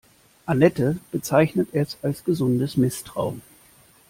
Anette bezeichnet es als gesundes Misstrauen.